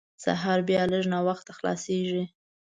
سهار بیا لږ ناوخته خلاصېږي.